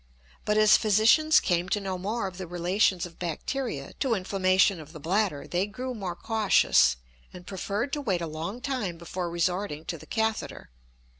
But as physicians came to know more of the relations of bacteria to inflammation of the bladder, they grew more cautious, and preferred to wait a long time before resorting to the catheter.